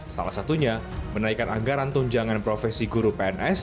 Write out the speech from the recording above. salah satunya menaikkan anggaran tunjangan profesi guru pns